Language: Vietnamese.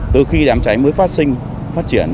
từ khi đám cháy mới phát sinh phát triển